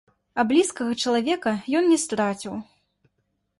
А блізкага чалавека ён не страціў.